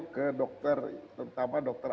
ke dokter terutama dokter